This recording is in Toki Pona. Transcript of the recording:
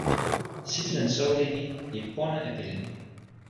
sitelen soweli ni li pona e pilin mi.